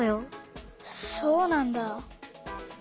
そうなんだ。